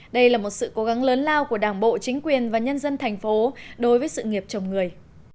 đây là một sự cố gắng lớn lao của đảng bộ chính quyền và nhân dân thành phố đối với sự nghiệp chồng người